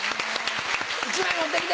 １枚持って来て！